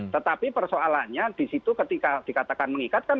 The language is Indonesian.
tetapi persoalannya di situ ketika dikatakan mengikat